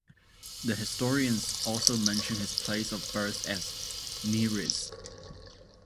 The historians also mention his place of birth as "Neyriz".